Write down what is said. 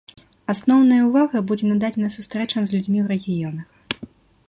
Асноўная ўвага будзе нададзена сустрэчам з людзьмі ў рэгіёнах.